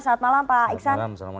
selamat malam pak iksan